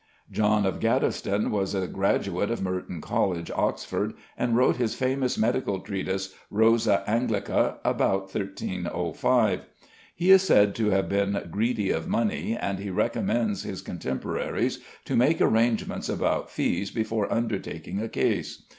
=John of Gaddesden= was a graduate of Merton College, Oxford, and wrote his famous medical treatise, "Rosa Anglica," about 1305. He is said to have been greedy of money, and he recommends his contemporaries to make arrangements about fees before undertaking a case.